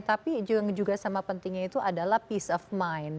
tapi yang juga sama pentingnya itu adalah peace of mind